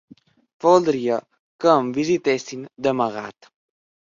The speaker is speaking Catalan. Voldria que em visitessin d'amagat.